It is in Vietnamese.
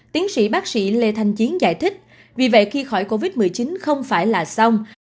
tiến sĩ bác sĩ lê thanh chiến giải thích vì vậy khi khỏi covid một mươi chín không phải là xong